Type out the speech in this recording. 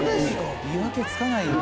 見分けつかないよ。